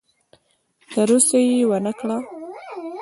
تر اوسه یې ونه کړه.